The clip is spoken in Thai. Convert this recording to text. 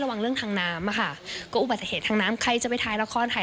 เรื่องทางน้ำอะค่ะก็อุบัติเหตุทางน้ำใครจะไปถ่ายละครถ่าย